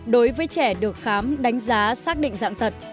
đối với trẻ được khám đánh giá xác định dạng tật